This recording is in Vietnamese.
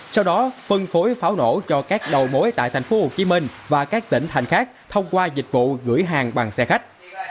sau đó phân phối pháo nổ cho các đầu mối tại tp hcm và các tỉnh thành khác thông qua dịch vụ gửi hàng bằng xe khách